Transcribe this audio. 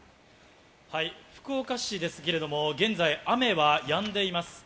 福岡市ですけれど、現在、雨はやんでいます。